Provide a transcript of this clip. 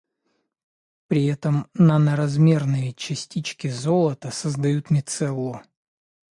при этом наноразмерные частички золота создают мицеллу.